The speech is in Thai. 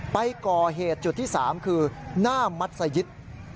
ไปก่อเหตุจุดที่๓คือหน้ามัศยิต